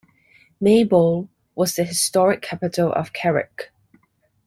Maybole was the historic capital of Carrick.